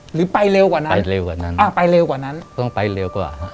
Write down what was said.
หรือไปเร็วกว่านั้นไปเร็วกว่านั้นอ่าไปเร็วกว่านั้นต้องไปเร็วกว่าฮะ